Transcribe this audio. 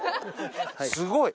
すごい！